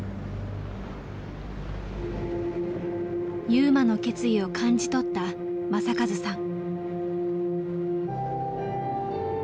優真の決意を感じ取った正和さん。